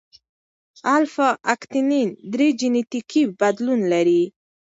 الفا اکتینین درې جینیټیکي بدلون لري.